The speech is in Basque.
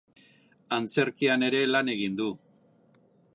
Antzerkian ere lan egin du.